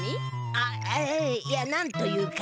あっえいやなんというか。